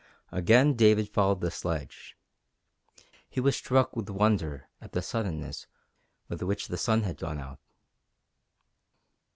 Again David followed the sledge. He was struck with wonder at the suddenness with which the sun had gone out.